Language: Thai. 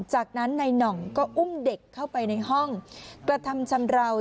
จากนั้นนายหน่องก็อุ้มเด็กเข้าไปในห้องกระทำชำราว